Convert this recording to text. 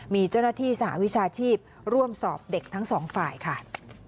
มีเจ้าหน้าที่สหวิชาชีพร่วมสอบเด็กทั้งสองฝ่ายค่ะ